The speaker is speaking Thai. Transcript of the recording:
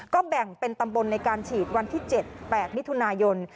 ก็แบ่งเป็นตำบลในการฉีดวันที่๗๘มิถุนายน